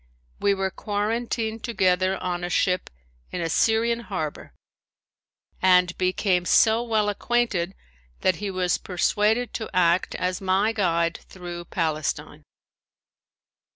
We were quarantined together on a ship in a Syrian harbor and became so well acquainted that he was persuaded to act as my guide through Palestine.